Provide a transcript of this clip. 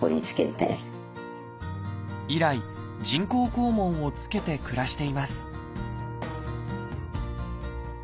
以来人工肛門をつけて暮らしています